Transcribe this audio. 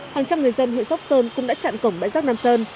hàng trăm người dân huyện sóc sơn cũng đã chặn cổng bãi rác nam sơn